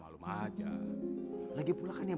mas namanya juga anak anak